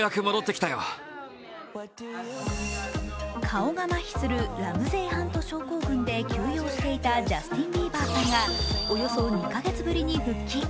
顔がまひするラムゼイ・ハント症候群で休養していたジャスティン・ビーバーさんがおよそ２カ月ぶりに復帰。